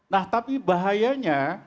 nah tapi bahayanya